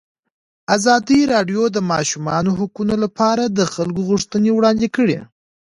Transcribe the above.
ازادي راډیو د د ماشومانو حقونه لپاره د خلکو غوښتنې وړاندې کړي.